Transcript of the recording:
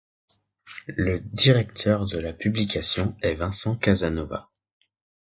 Le directeur de la publication est Vincent Casanova.